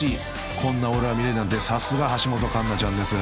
［こんなオーロラが見れるなんてさすが橋本環奈ちゃんです］